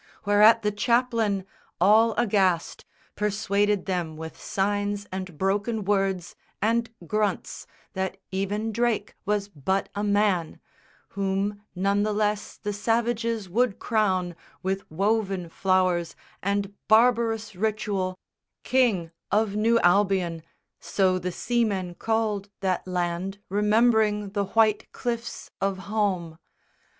Whereat the chaplain all aghast Persuaded them with signs and broken words And grunts that even Drake was but a man, Whom none the less the savages would crown With woven flowers and barbarous ritual King of New Albion so the seamen called That land, remembering the white cliffs of home.